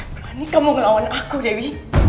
berani kamu melawan aku dewi